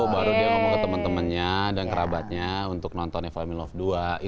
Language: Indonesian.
baru dia ngomong ke temen temennya dan kerabatnya untuk nonton eflamin love dua